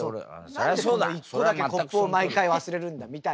何で１個だけコップを毎回忘れるんだみたいな。